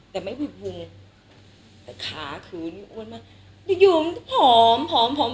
แต่ไม่พูดวงแต่ขาคืนอ้วนมากอยู่อยู่มันก็ผอมผอมผอม